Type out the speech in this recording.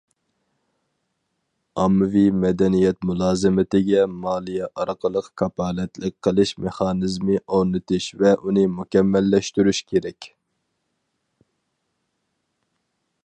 ئاممىۋى مەدەنىيەت مۇلازىمىتىگە مالىيە ئارقىلىق كاپالەتلىك قىلىش مېخانىزمى ئورنىتىش ۋە ئۇنى مۇكەممەللەشتۈرۈش كېرەك.